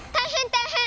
たいへん！